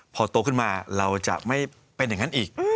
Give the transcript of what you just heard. พอโตขึ้นมาเราจะไม่เป็นอย่างนั้นอีก